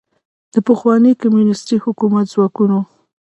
د پخواني کمونیستي حکومت ځواکونو